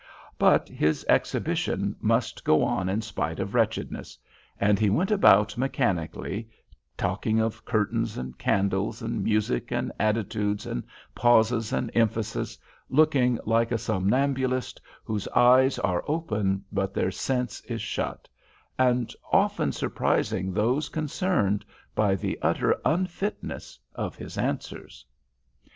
But his exhibition must go on in spite of wretchedness; and he went about mechanically, talking of curtains and candles, and music, and attitudes, and pauses, and emphasis, looking like a somnambulist whose "eyes are open but their sense is shut," and often surprising those concerned by the utter unfitness of his answers.